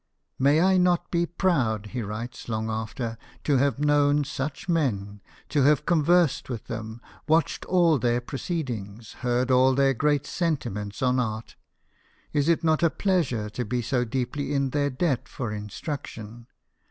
" May I not be proud," he writes long after, " to have known such men, to have conversed with them, watched all their proceedings, heard all their great senti ments on art ? Is it not a pleasure to be so deeply in their debt for instruction